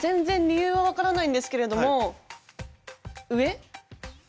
理由分からないんですけれども。